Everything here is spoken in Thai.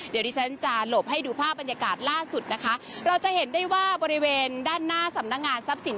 เดี๋ยวที่ฉันจะหลบให้ดูภาพบรรยากาศล่าสุดนะคะเราจะเห็นได้ว่าบริเวณด้านหน้าสำนักงานทรัพย์สิน